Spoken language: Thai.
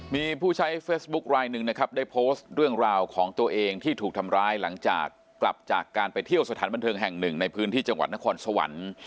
มีผู้ใช้เฟซบุ๊คลายหนึ่งนะครับได้โพสต์เรื่องราวของตัวเองที่ถูกทำร้ายหลังจากกลับจากการไปเที่ยวสถานบันเทิงแห่งหนึ่งในพื้นที่จังหวัดนครสวรรค์